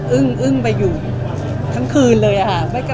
อึ้งไปอยู่ทั้งคืนเลยค่ะ